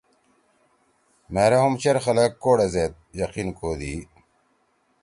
مھیرے ہُم چیر خلگ کوڑے زید یقین کودی۔